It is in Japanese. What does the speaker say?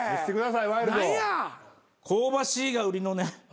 香ばしいが売りのね